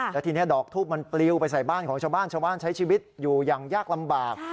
แล้วทีนี้ดอกทูปมันปลิวไปใส่บ้านของชาวบ้านชาวบ้านใช้ชีวิตอยู่อย่างยากลำบาก